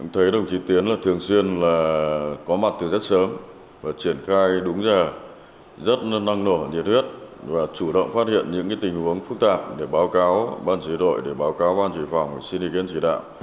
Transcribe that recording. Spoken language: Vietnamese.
thế đồng chí tiến là thường xuyên có mặt từ rất sớm và triển khai đúng giờ rất năng nổ nhiệt huyết và chủ động phát hiện những tình huống phức tạp để báo cáo ban chỉ đội để báo cáo ban chỉ phòng xin ý kiến chỉ đạo